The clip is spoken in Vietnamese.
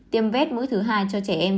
tiêm vết mũi thứ hai cho trẻ em